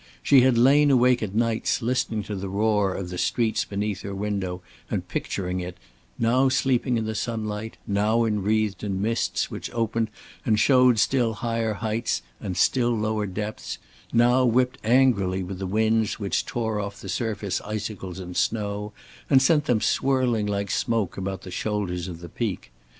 She had lain awake at nights listening to the roar of the streets beneath her window and picturing it, now sleeping in the sunlight, now enwreathed in mists which opened and showed still higher heights and still lower depths, now whipped angrily with winds which tore off the surface icicles and snow, and sent them swirling like smoke about the shoulders of the peak.